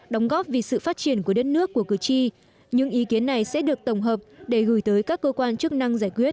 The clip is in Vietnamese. đóng góp vì sự phát triển của đất nước của cử tri những ý kiến này sẽ được tổng hợp để gửi tới các cơ quan chức năng giải quyết